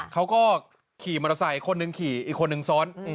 เขาก็ขี่มอเตอร์ไซค์คนหนึ่งขี่อีกคนนึงซ้อน